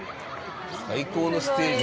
最高のステージ。